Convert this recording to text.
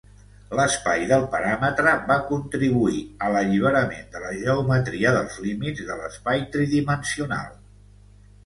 L'espai del paràmetre va contribuir a l'alliberament de la geometria dels límits de l'espai tridimensional.